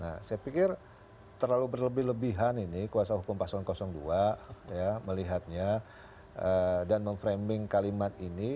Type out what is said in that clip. nah saya pikir terlalu berlebih lebihan ini kuasa hukum paslon dua melihatnya dan memframing kalimat ini